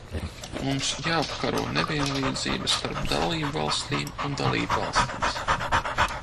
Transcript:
Mums jāapkaro nevienlīdzība starp dalībvalstīm un dalībvalstīs.